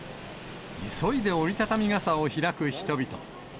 急いで折り畳み傘を開く人々。